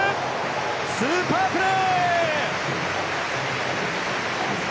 スーパープレー！